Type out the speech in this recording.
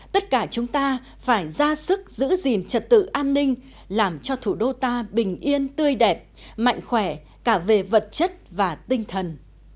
ta phải ra sức giữ gìn trật tự an ninh làm cho thủ đô ta bình yên tươi đẹp mạnh khỏe cả về vật chất và tinh thần